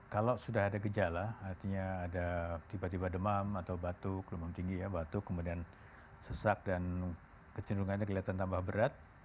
kalau sudah ada gejala artinya ada tiba tiba demam atau batuk demam tinggi ya batuk kemudian sesak dan kecenderungannya kelihatan tambah berat